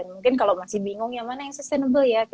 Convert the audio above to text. mungkin kalau masih bingung yang mana yang sustainable ya